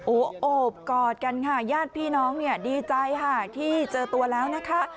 โอบกอดกันค่ะญาติพี่น้องดีใจที่เจอตัวแล้วนะคะ